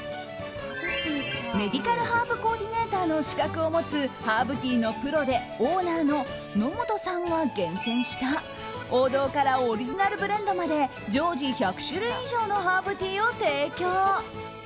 メディカルハーブコーディネーターの資格を持つハーブティーのプロでオーナーの野元さんが厳選した王道からオリジナルブレンドまで常時１００種類以上のハーブティーを提供。